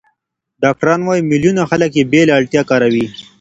ډاکټران وايي، میلیونونه خلک بې له اړتیا یې کاروي.